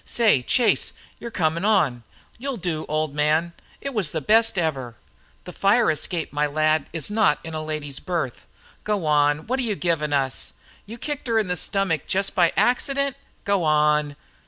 "Say, Chase, you're coming on!" "You'll do, old man!" "It was the best ever!" "The fire escape, my lad, is not in a lady's berth!" "Go wan! What you giving us? You kicked her in the stomach jest by accident? Go wan!"